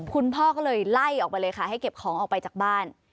คุณพ่อก็เลยไล่ออกไปเลยค่ะให้เก็บของออกไปจากบ้าน